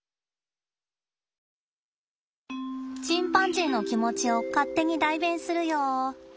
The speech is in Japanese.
チンパンジーの気持ちを勝手に代弁するよ。